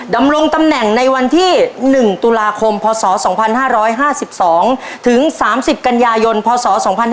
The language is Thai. ดำรงตำแหน่งในวันที่๑ตุลาคมพศ๒๕๕๒๓๐กยพศ๒๕๕๕